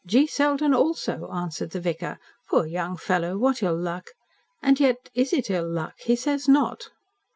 "G. Selden also," answered the vicar. "Poor young fellow, what ill luck. And yet is it ill luck? He says not."